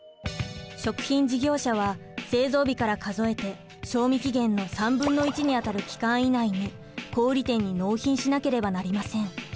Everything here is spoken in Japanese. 食品事業者は製造日から数えて賞味期限の３分の１にあたる期間以内に小売店に納品しなければなりません。